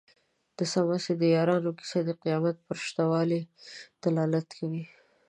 د څمڅې د یارانو کيسه د قيامت پر شته والي دلالت کوي.